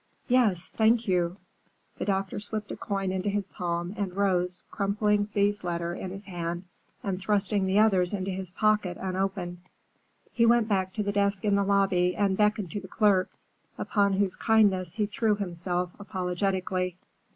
"Yes, thank you." The doctor slipped a coin into his palm and rose, crumpling Thea's letter in his hand and thrusting the others into his pocket unopened. He went back to the desk in the lobby and beckoned to the clerk, upon whose kindness he threw himself apologetically.